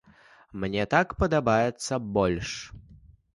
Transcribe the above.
Мне так падабаецца больш.